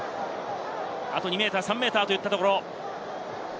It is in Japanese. あと２ｍ、３ｍといったところ。